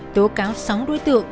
tố cáo sáu đối tượng